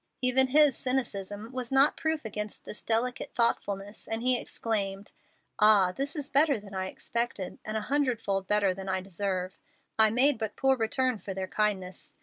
Even his cynicism was not proof against this, delicate thoughtfulness, and he exclaimed, "Ah, this is better than I expected, and a hundred fold better than I deserve. I make but poor return for their kindness.